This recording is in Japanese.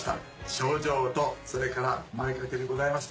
賞状とそれから前掛けでございます。